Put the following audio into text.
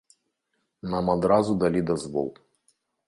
Нам адразу далі дазвол.